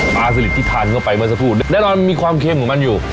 สลิดที่ทานเข้าไปเมื่อสักครู่แน่นอนมันมีความเค็มของมันอยู่